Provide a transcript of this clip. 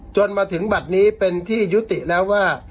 จนมาถึงบัตรนี้เป็นที่ยุติแล้วว่า